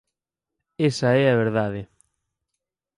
Esa é a verdade.